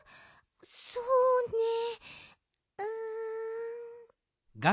そうねえうん。